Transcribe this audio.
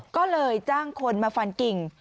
ก็เลยจ้างคนมาฟันกิ่ง